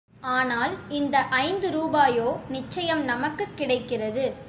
ஆனால், இந்த ஐந்து ரூபாயோ நிச்சயம் நமக்குக் கிடைக்கிறது.